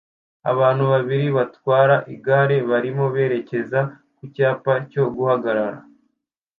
Abantu babiri batwara igare barimo berekeza ku cyapa cyo guhagarara